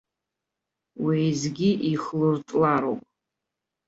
Уеизгьы ихлыртлароуп.